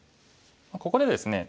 ここでですね